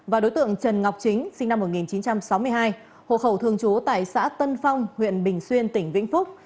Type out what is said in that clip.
và đối tượng trần ngọc chính sinh năm một nghìn chín trăm sáu mươi hai hộ khẩu thường trú tại xã tân phong huyện bình xuyên tỉnh vĩnh phúc